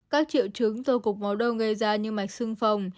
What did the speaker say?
các triệu chứng do cục máu đông gây ra như mạch sưng phòng